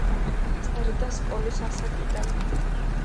წერდა სკოლის ასაკიდან.